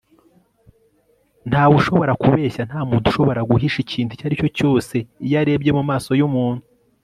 ntawe ushobora kubeshya, nta muntu ushobora guhisha ikintu icyo ari cyo cyose, iyo arebye mu maso y'umuntu